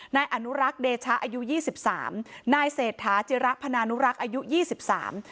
นายอนุรักษ์เดชะอายุยี่สิบสามนายเศรษฐาจิระพนานุรักษ์อายุยี่สิบสาม